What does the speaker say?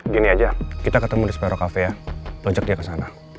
gini aja kita ketemu di sphero cafe ya lojak dia ke sana